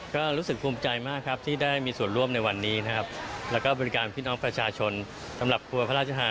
พระอาชนะทุกคนที่มีส่วนร่วมในวันนี้ก็รู้สึกภูมิใจ